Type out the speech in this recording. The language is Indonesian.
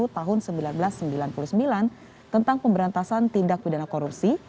tahun seribu sembilan ratus sembilan puluh sembilan tentang pemberantasan tindak pidana korupsi